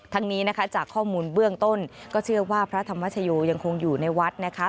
นี้นะคะจากข้อมูลเบื้องต้นก็เชื่อว่าพระธรรมชโยยังคงอยู่ในวัดนะคะ